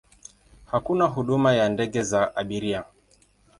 Hakuna huduma ya ndege za abiria.